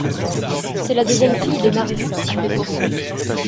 C'est la deuxième fille de Marisol.